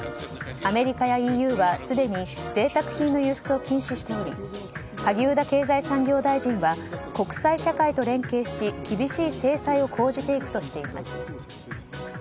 アメリカやＥＵはすでに贅沢品の輸出を禁止しており萩生田経済産業大臣は国際社会と連携し、厳しい制裁を講じていくとしています。